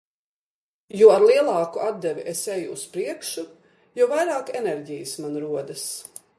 Jo ar lielāku atdevi es eju uz priekšu, jo vairāk enerģijas man rodas.